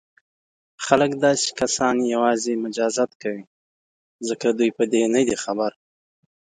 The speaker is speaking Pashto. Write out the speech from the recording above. خلک داسې کسان یوازې مجازات کوي ځکه دوی په دې نه دي خبر.